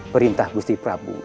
perintah gusti prabu